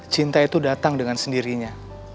cinta itu datang dengan sendirinya